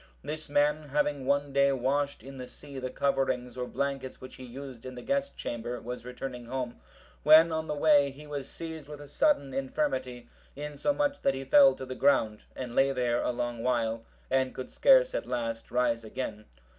This man, having one day washed in the sea the coverings or blankets which he used in the guest chamber, was returning home, when on the way, he was seized with a sudden infirmity, insomuch that he fell to the ground, and lay there a long time and could scarce at last rise again.